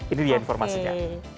ini dia informasinya